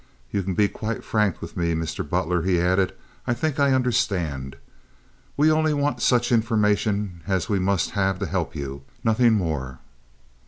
"You can be quite frank with me, Mr. Butler," he added; "I think I understand. We only want such information as we must have to help you, nothing more."